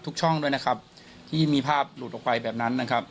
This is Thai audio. ช่องด้วยนะครับที่มีภาพหลุดออกไปแบบนั้นนะครับ